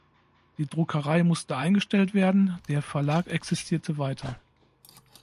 Die Druckerei musste eingestellt werden, der Verlag existierte weiter.